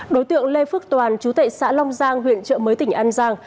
đối tượng lê phước toàn chú tệ xã long giang huyện trợ mới tỉnh an giang